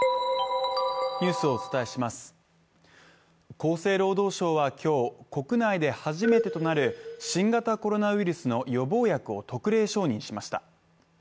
厚生労働省は今日、国内で初めてとなる新型コロナウイルスの予防薬を特例承認しました。